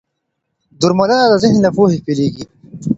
درملنه د ذهن له پوهې پيلېږي.